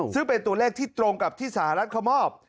ซึ่งเป็นตัวเลขที่ตรงกับที่สหรัฐเขามอบ